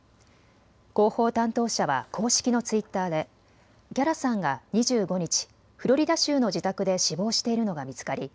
広報担当者は公式のツイッターでキャラさんが２５日、フロリダ州の自宅で死亡しているのが見つかり